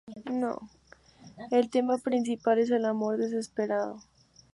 El tema principal es el amor desesperado.